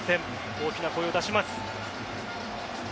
大きな声を出します。